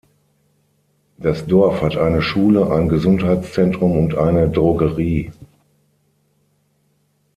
Das Dorf hat eine Schule, ein Gesundheitszentrum und eine Drogerie.